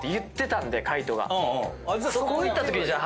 そこ行ったときにじゃあ。